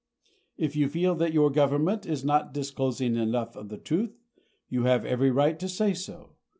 If you feel that your government is not disclosing enough of the truth, you have every right to say so.